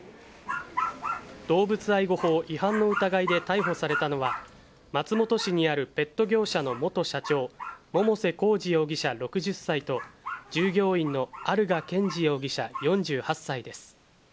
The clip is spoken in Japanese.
動物愛護法違反の疑いで逮捕されたのは、松本市にあるペット業者の元社長、百瀬耕二容疑者６０歳と、従業員の有賀健児容疑者４８歳です。